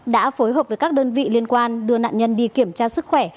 đã phối hợp với các đơn vị liên quan đưa nạn nhân đi kiểm tra sức khỏe